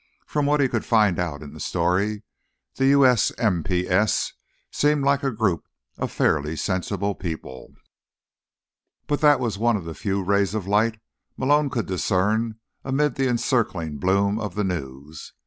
From what he could find out in the story, the USMPS seemed like a group of fairly sensible people. But that was one of the few rays of light Malone could discern amid the encircling bloom of the news.